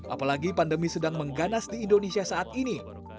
apalagi pandemi sedang mengganas di indonesia saat ini